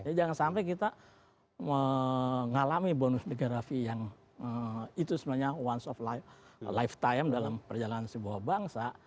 jadi jangan sampai kita mengalami bonus demografi yang itu sebenarnya once of a lifetime dalam perjalanan sebuah bangsa